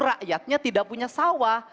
rakyatnya tidak punya sawah